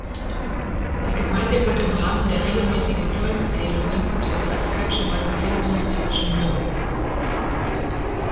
Die Gemeinde wird im Rahmen der regelmäßigen Volkszählungen zur Saskatchewan Census Division No.